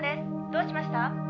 どうしました？」